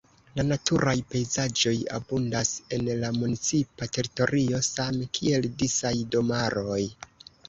La naturaj pejzaĝoj abundas en la municipa teritorio same kiel disaj domaroj.